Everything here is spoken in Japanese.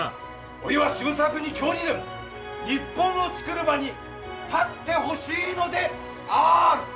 おいは渋沢君に今日にでも日本を作る場に立ってほしいのである。